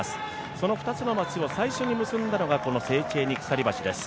その２つの街を最初に結んだのが、このセーチェーニ鎖橋です。